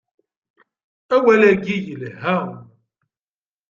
Awal-agi yelha.